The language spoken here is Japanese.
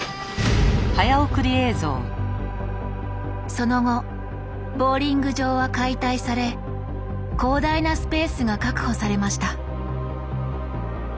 その後ボウリング場は解体され広大なスペースが確保されました。